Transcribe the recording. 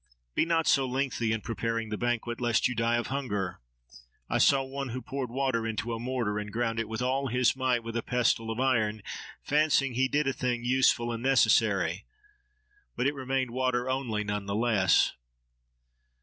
Be not so lengthy in preparing the banquet, lest you die of hunger! I saw one who poured water into a mortar, and ground it with all his might with a pestle of iron, fancying he did a thing useful and necessary; but it remained water only, none the less."